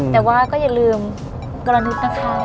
แต่ว่าก็อย่าลืมกรณิตนะคะ